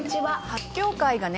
「発表会がね